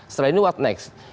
setelah ini what next